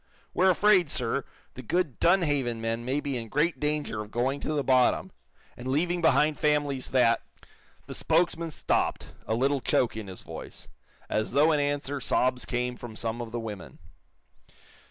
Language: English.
We're afraid, sir, that good Dunhaven men may be in great danger of going to the bottom, and leaving behind families that " The spokesman stopped, a little choke in his voice. As though in answer sobs came from some of the women.